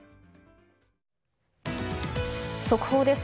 速報です。